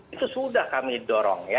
itu sudah kami dorong ya